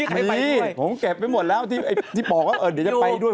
มีผมแกะไปหมดแล้วที่บอกเดี๋ยวจะไปด้วย